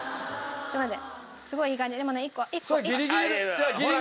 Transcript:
ちょっと待って。